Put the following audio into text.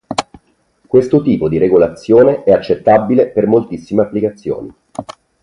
Questo tipo di regolazione è accettabile per moltissime applicazioni.